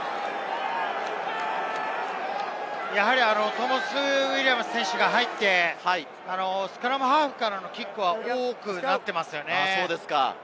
トモス・ウィリアムズ選手が入って、スクラムハーフからのキックが多くなっていますね。